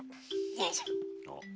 よいしょ。